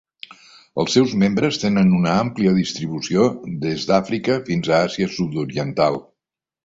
Els seus membres tenen una àmplia distribució, des d'Àfrica fins a Àsia Sud-oriental.